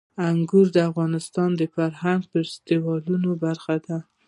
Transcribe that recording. انګور د افغانستان د فرهنګي فستیوالونو برخه ده.